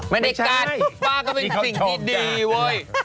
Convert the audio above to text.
ไม่ได้กั้นป้าก็เป็นสิ่งที่ดีเว้ย